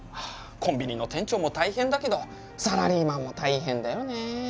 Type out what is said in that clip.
コンビニの店長も大変だけどサラリーマンも大変だよね。